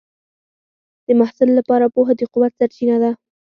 د محصل لپاره پوهه د قوت سرچینه ده.